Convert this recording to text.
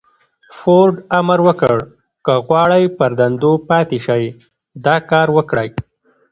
فورډ امر وکړ که غواړئ پر دندو پاتې شئ دا کار وکړئ.